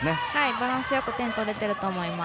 バランスよく点を取れていると思います。